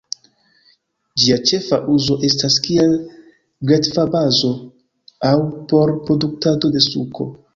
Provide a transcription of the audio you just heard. Ĝia ĉefa uzo estas kiel gretfbazo aŭ por produktado de suko.